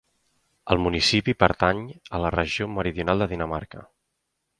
El municipi pertany a la Regió Meridional de Dinamarca.